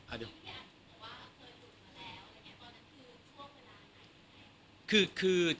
อ่ะเดี๋ยว